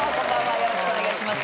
よろしくお願いします。